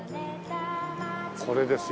これですよ。